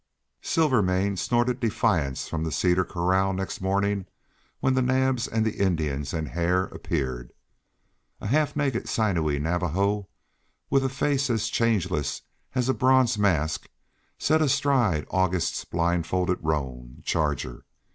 Silvermane snorted defiance from the cedar corral next morning when the Naabs, and Indians, and Hare appeared. A half naked sinewy Navajo with a face as changeless as a bronze mask sat astride August's blindfolded roan, Charger.